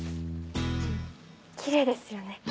キレイですよね